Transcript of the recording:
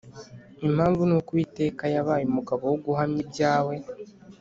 Impamvu ni uko Uwiteka yabaye umugabo wo guhamya ibyawe